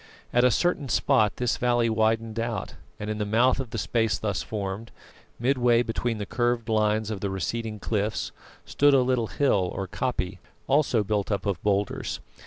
At a certain spot this valley widened out, and in the mouth of the space thus formed, midway between the curved lines of the receding cliffs, stood a little hill or koppie, also built up of boulders.